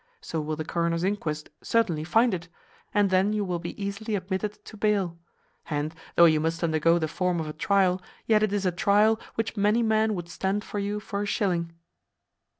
So will the coroner's inquest certainly find it; and then you will be easily admitted to bail; and, though you must undergo the form of a trial, yet it is a trial which many men would stand for you for a shilling."